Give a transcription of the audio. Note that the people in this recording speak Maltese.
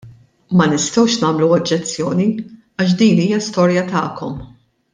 Ma nistgħux nagħmlu oġġezzjoni għax din hija storja tagħkom.